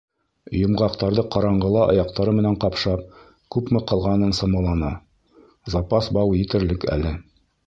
Йомғаҡтарҙы ҡараңғыла аяҡтары менән ҡапшап, күпме ҡалғанын самаланы: запас бау етерлек әле.